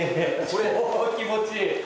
超気持ちいい。